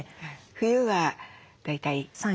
冬は大体？